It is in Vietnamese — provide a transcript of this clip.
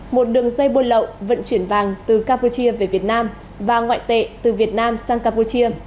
một đường dây buôn lậu vận chuyển vàng từ campuchia về việt nam và ngoại tệ từ việt nam sang campuchia